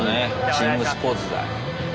チームスポーツだ。